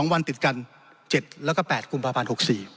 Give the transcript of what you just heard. วันติดกัน๗แล้วก็๘กุมภาพันธ์๖๔